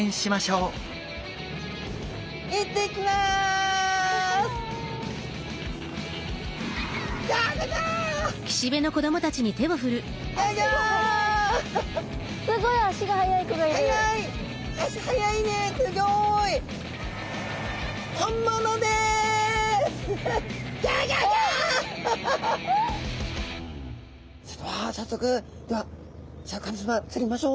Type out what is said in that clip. それでは早速ではシャーク香音さま釣りましょう。